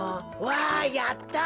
わいやった！